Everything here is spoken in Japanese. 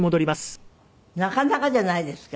なかなかじゃないですか。